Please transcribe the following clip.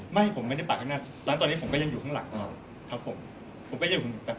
ไม่ผมไม่ได้ปากข้างหน้าตอนนี้ผมก็ยังอยู่ข้างหลังครับผม